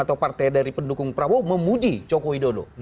atau partai dari pendukung prabowo memuji joko widodo